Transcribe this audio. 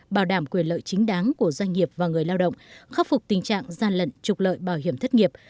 bảo đảm quyền lợi chính đáng của doanh nghiệp và người lao động khắc phục tình trạng gian lận trục lợi bảo hiểm thất nghiệp